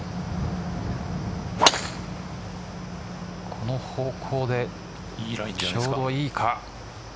この方向でちょうどいいか。